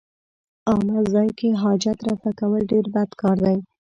عامه ځای کې حاجت رفع کول ډېر بد کار دی.